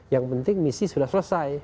yang penting misi sudah selesai